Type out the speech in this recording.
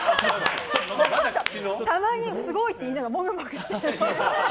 たまに、すごいって言いながらもぐもぐしてるの。